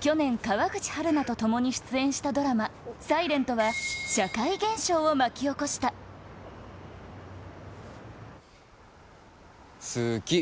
去年、川口春奈と共に出演したドラマ「ｓｉｌｅｎｔ」は社会現象を巻き起こした想：好き。